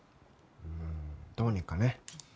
うんどうにかね。